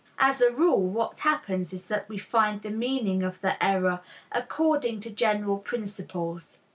As a rule, what happens is that we find the meaning of the error according to general principles.